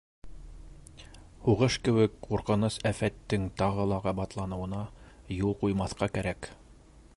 Һуғыш кеүек ҡурҡыныс афәттең тағы ла ҡабатланыуына юл ҡуймаҫҡа кәрәк.